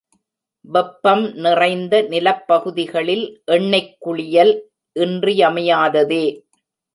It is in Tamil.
வெப்பம் நிறைந்த நிலப்பகுதிகளில் எண்ணெய்க் குளியல் இன்றியமையாததே.